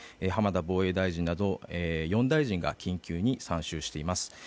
防衛大臣など４大臣が緊急に参集しています。